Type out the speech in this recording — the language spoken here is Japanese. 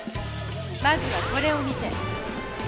まずはこれを見て！